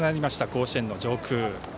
甲子園の上空。